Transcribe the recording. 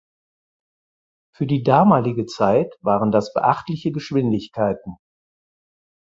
Für die damalige Zeit waren das beachtliche Geschwindigkeiten.